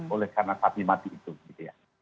oleh karena sapi mati itu gitu ya